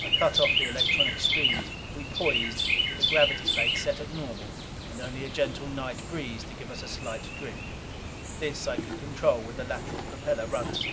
I cut off the electronic streams. We poised, with the gravity plates set at normal, and only a gentle night breeze to give us a slight side drift. This I could control with the lateral propeller rudders.